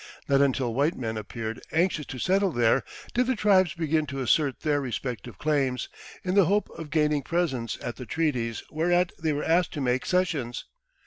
Not until white men appeared anxious to settle there did the tribes begin to assert their respective claims, in the hope of gaining presents at the treaties whereat they were asked to make cessions.